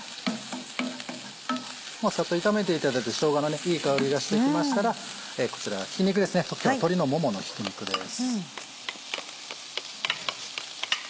もうサッと炒めていただいてしょうがのいい香りがしてきましたらこちらひき肉ですね鶏のもものひき肉です。